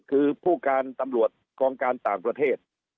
คือผู้การตำรวจกองการต่างประเทศ